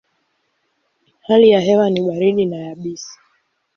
Hali ya hewa ni baridi na yabisi.